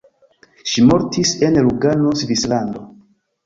Ŝi mortis en Lugano, Svislando.